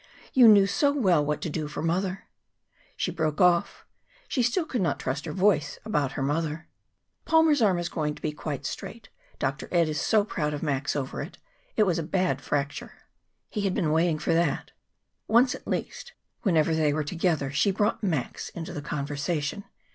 You knew so well what to do for mother." She broke off. She still could not trust her voice about her mother. "Palmer's arm is going to be quite straight. Dr. Ed is so proud of Max over it. It was a bad fracture." He had been waiting for that. Once at least, whenever they were together, she brought Max into the conversation.